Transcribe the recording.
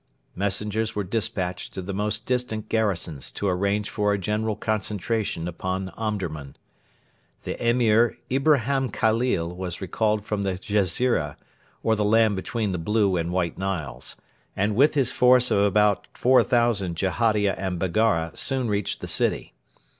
Messengers were despatched to the most distant garrisons to arrange for a general concentration upon Omdurman. The Emir Ibrahim Khalil was recalled from the Ghezira, or the land between the Blue and White Niles, and with his force of about 4,000 Jehadia and Baggara soon reached the city.